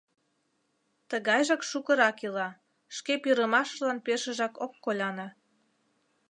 Тыгайжак шукырак ила, шке пӱрымашыжлан пешыжак ок коляне.